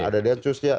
ada densus ya